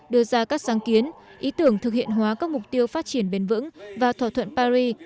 đưa ra các sáng kiến ý tưởng thực hiện hóa các mục tiêu phát triển bền vững và thỏa thuận paris